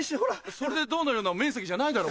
それでどうなるような面積じゃないだろ